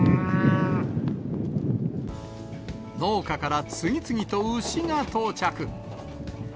農家から次々と牛が到着。